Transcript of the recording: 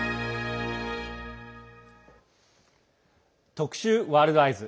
特集「ワールドＥＹＥＳ」。